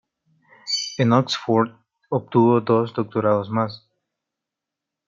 En Oxford, obtuvo dos doctorados más.